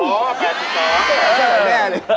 โอ้โฮประหลาดแบบนี้